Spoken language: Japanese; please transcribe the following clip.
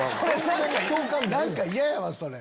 何か嫌やわそれ。